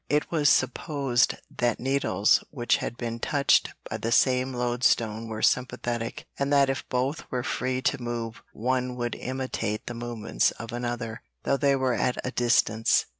It was supposed that needles which had been touched by the same lodestone were sympathetic, and that if both were free to move one would imitate the movements of another, though they were at a distance.